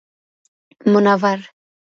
منور